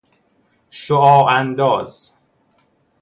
شعاع انداز